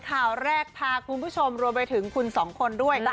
ข่าวแรกพาคุณผู้ชมรวมไปถึงคุณสองคนด้วย